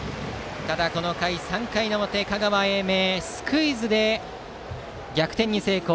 この回、３回の表香川・英明、スクイズで逆転に成功。